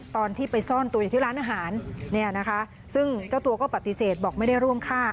ตอนที่ไปซ่อนตัวอยู่ที่ร้านอาหารเนี่ยนะคะซึ่งเจ้าตัวก็ปฏิเสธบอกไม่ได้ร่วมฆ่า